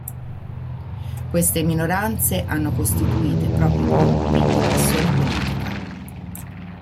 Queste minoranze hanno costituito i propri gruppi di pressione politica.